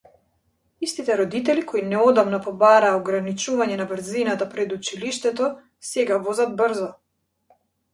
Истите родители кои неодамна побараа ограничување на брзината пред училиштето, сега возат брзо.